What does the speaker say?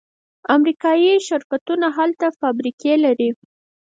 امریکایی شرکتونه هلته فابریکې لري.